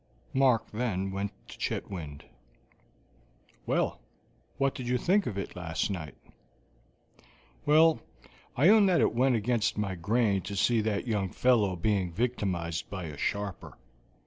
Mark then went to Chetwynd. "Well, what did you think of it last night?" "Well, I own that it went against my grain to see that young fellow being victimized by a sharper."